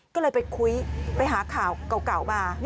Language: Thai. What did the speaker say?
ก็เลยไปคุยไปหาข่าวเก่ามา